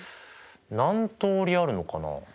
何通りあるのかな。